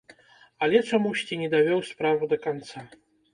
Але чамусьці не давёў справу да канца.